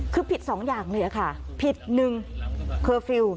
คือผิดสองอย่างเลยค่ะผิดหนึ่งเคอร์ฟิลล์